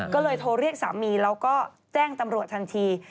ก็เลยโทรเรียกสามีแล้วก็แจ้งตำรวจทันที